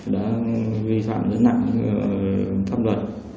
đã vi phạm rất nặng pháp luật